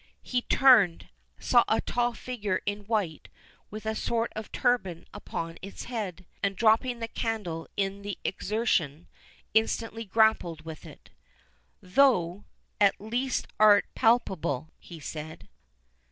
He turned, saw a tall figure in white, with a sort of turban upon its head, and dropping the candle in the exertion, instantly grappled with it. "Thou at least art palpable," he said.